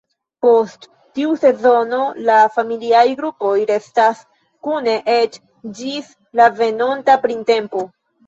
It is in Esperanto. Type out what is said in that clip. Post tiu sezono la familiaj grupoj restas kune eĉ ĝis la venonta printempo.